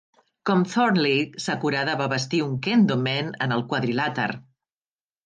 Com Thornley, Sakurada va vestir un Kendo men en el quadrilàter.